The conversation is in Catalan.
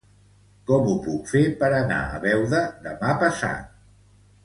Com ho puc fer per anar a Beuda demà passat?